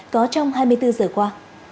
có trong hai mươi bốn giờ qua